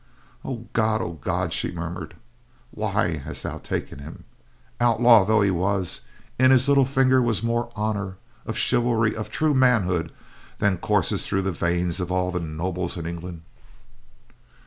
"Oh God! Oh God!" she murmured. "Why hast thou taken him? Outlaw though he was, in his little finger was more of honor, of chivalry, of true manhood than courses through the veins of all the nobles of England.